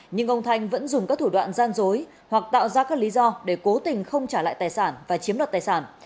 nhưng ông thanh vẫn dùng các thủ đoạn gian dối hoặc tạo ra các lý do để cố tình không trả lại tài sản và chiếm đoạt tài sản